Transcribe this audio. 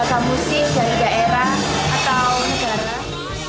plus berapa musim dari daerah atau negara